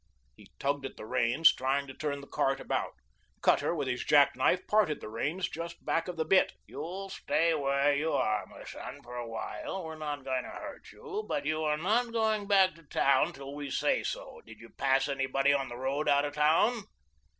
He tugged at the reins, trying to turn the cart about. Cutter, with his jack knife, parted the reins just back of the bit. "You'll stay where you are, m' son, for a while. We're not going to hurt you. But you are not going back to town till we say so. Did you pass anybody on the road out of town?"